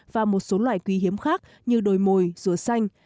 và một số loài quý hiếm khác như đồi mồi dừa xanh